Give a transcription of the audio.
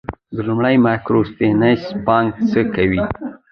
د لومړي مایکرو فینانس بانک څه کوي؟